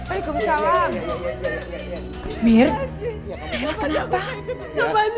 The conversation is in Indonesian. aku mau ketemu sama mas ardi